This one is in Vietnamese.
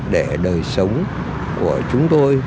để đời sống của chúng tôi